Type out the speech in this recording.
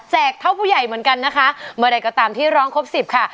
เท่าผู้ใหญ่เหมือนกันนะคะเมื่อใดก็ตามที่ร้องครบสิบค่ะ